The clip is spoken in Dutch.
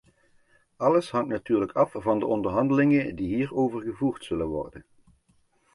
Alles hangt natuurlijk af van de onderhandelingen die hierover gevoerd zullen worden.